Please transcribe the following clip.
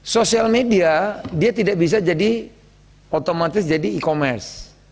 sosial media dia tidak bisa jadi otomatis jadi e commerce